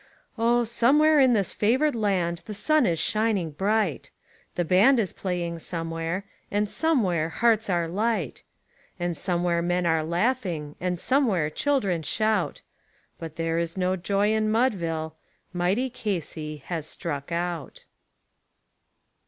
Oh, somewhere in this favoured land the sun is shining bright, The band is playing somewhere, and somewhere hearts are light, And somewhere men are laughing, and somewhere children shout; But there is no joy in Mudville mighty Casey has struck out.